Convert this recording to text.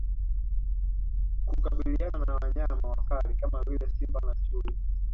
Kukabiliana na Wanyama wakali kama vile Simba na Chui